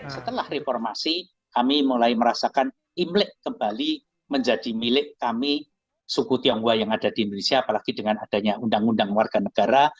setelah reformasi kami mulai merasakan imlek kembali menjadi milik kami suku tionghoa yang ada di indonesia apalagi dengan adanya undang undang warga negara